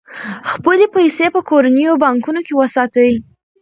خپلې پيسې په کورنیو بانکونو کې وساتئ.